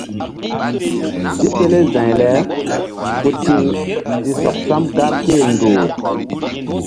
Tipele za̧y le ku ti̧h si sɔk sam gar ké-e ndoh-u.